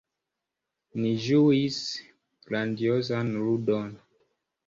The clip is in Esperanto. Ni ĝuis grandiozan ludon.